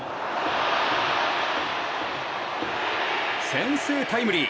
先制タイムリー！